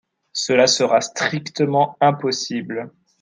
Cela sera strictement impossible.